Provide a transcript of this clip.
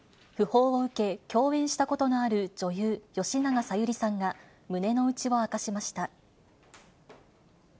訃報を受け、共演したことのある女優、吉永小百合さんが胸の内を明かしました。